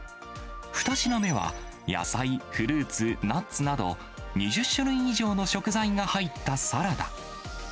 ２品目は、野菜、フルーツ、ナッツなど、２０種類以上の食材が入ったサラダ。